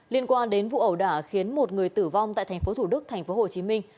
liên quan đến vụ ẩu đả khiến một người tử vong tại thành phố thủ đức thành phố hồ chí minh